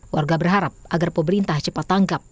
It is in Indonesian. warga berharap agar pemerintah cepat tangkap